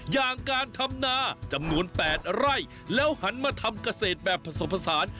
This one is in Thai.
อย่างการทำนาจำนวน๘ไร่แล้วหันมาทำเกษตรแบบผสมผสาน